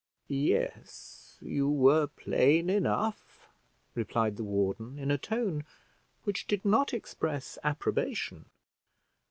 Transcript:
"Yes, you were plain enough," replied the warden, in a tone which did not express approbation.